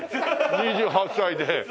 ２８歳で。